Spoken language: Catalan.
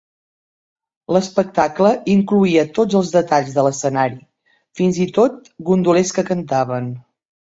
L'espectable incloïa tots els detalls de l'escenari, fins i tot gondolers que cantaven.